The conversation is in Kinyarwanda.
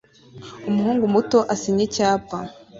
Umuhungu muto asinya icyapa